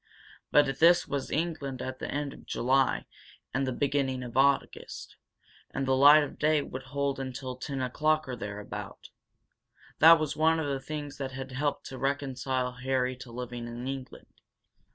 But this was England at the end of July and the beginning of August, and the light of day would hold until ten o'clock or thereabout. That was one of the things that had helped to reconcile Harry to living in England.